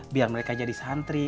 biar mereka jadi santri